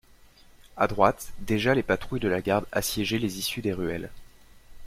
A droite, déjà les patrouilles de la garde assiégeaient les issues des ruelles.